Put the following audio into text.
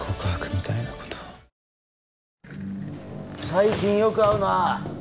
最近よく会うな。